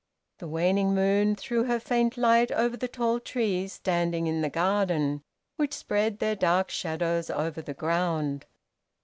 The waning moon threw her faint light over the tall trees standing in the garden, which spread their dark shadows over the ground.